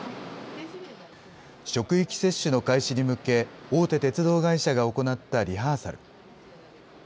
職域接種の開始に向け、大手鉄道会社が行ったリハーサル。